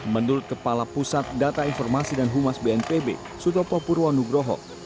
menurut kepala pusat data informasi dan humas bnpb sutopo purwanu groho